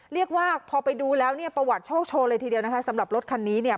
เรียกว่าพอไปดูแล้วเนี่ยประวัติโชคโชว์เลยทีเดียวนะคะสำหรับรถคันนี้เนี่ย